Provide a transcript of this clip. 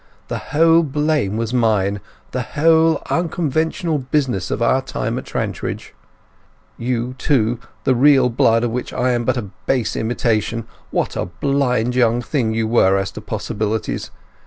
The whole blame was mine—the whole unconventional business of our time at Trantridge. You, too, the real blood of which I am but the base imitation, what a blind young thing you were as to possibilities!